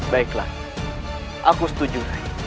baiklah aku setuju